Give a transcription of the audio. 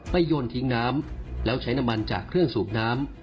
โยนทิ้งน้ำแล้วใช้น้ำมันจากเครื่องสูบน้ำ